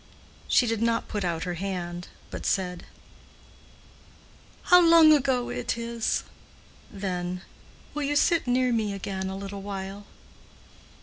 She did not put out her hand, but said, "How long ago it is!" Then, "Will you sit near me again a little while?"